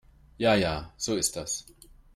Ja ja, so ist das.